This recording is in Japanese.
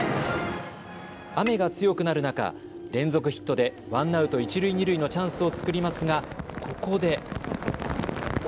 雨が強くなる中、連続ヒットでワンアウト一塁二塁のチャンスを作りますが、ここで。